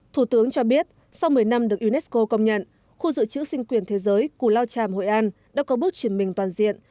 thủ tướng cho biết sau một mươi năm được unesco công nhận khu dự trữ sinh quyền thế giới cù lao tràm hội an đã có bước chuyển mình toàn diện